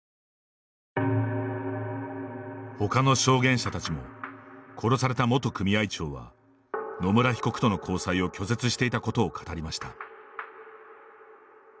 ほかの証言者たちも殺された元組合長は野村被告との交際を拒絶していたことを語りました。